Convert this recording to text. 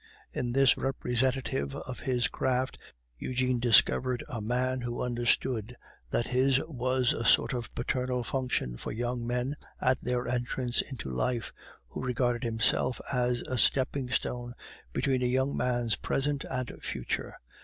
In this representative of his craft Eugene discovered a man who understood that his was a sort of paternal function for young men at their entrance into life, who regarded himself as a stepping stone between a young man's present and future.